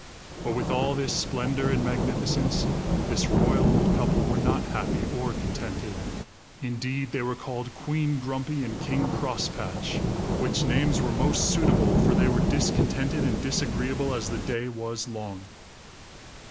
But with all this splendor and magnificence, this royal old couple were not happy or contented. Indeed they were called Queen Grumpy and King Crosspatch, which names were most suitable, for they were discontented and disagreeable as the day was long.